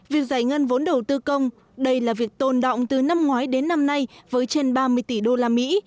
việc giải ngân vốn đầu tư công đây là việc tồn động từ năm ngoái đến năm nay với trên ba mươi tỷ đô la mỹ